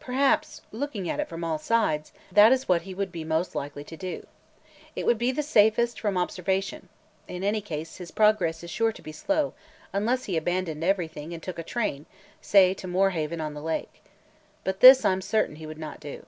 Perhaps, looking at it from all sides, that is what he would be most likely to do. It would be the safest from observation. In any case, his progress is sure to be slow, unless he abandoned everything and took a train, say to Moorehaven on the lake. But this, I 'm certain, he would not do.